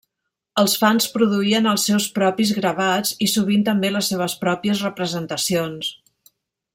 Els fans produïen els seus propis gravats, i sovint també les seves pròpies representacions.